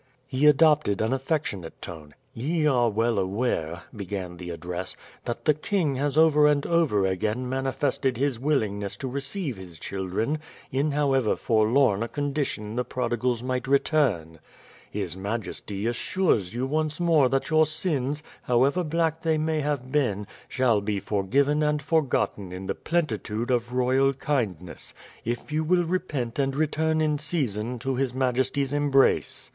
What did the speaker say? He adopted an affectionate tone: "Ye are well aware," began the address, "that the king has over and over again manifested his willingness to receive his children, in however forlorn a condition the prodigals might return. His majesty assures you once more that your sins, however black they may have been, shall be forgiven and forgotten in the plentitude of royal kindness, if you will repent and return in season to his majesty's embrace.